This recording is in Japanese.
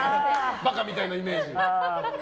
馬鹿みたいなイメージ。